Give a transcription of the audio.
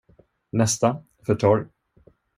Nästa, för torr.